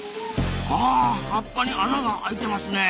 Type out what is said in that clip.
あ葉っぱに穴が開いてますね。